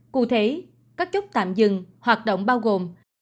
cụ thể các chốt tạm dừng hoạt động bao gồm